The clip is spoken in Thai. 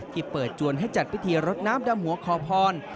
เปิดจวนให้จัดพิธีรดน้ำดำหัวขอพร